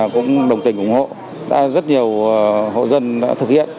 cũng đồng tình ủng hộ rất nhiều hộ dân đã thực hiện